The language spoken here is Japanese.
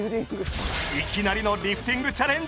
いきなりのリフティングチャレンジ！